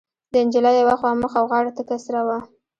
د نجلۍ يوه خوا مخ او غاړه تکه سره وه.